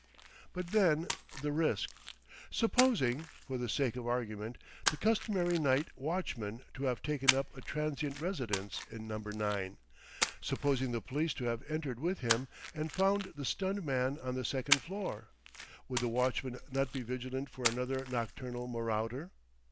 But then the risk.... Supposing (for the sake of argument) the customary night watchman to have taken up a transient residence in Number 9; supposing the police to have entered with him and found the stunned man on the second floor: would the watchman not be vigilant for another nocturnal marauder?